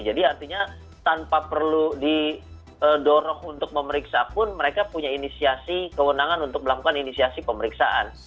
jadi artinya tanpa perlu didorong untuk memeriksa pun mereka punya inisiasi kewenangan untuk melakukan inisiasi pemeriksaan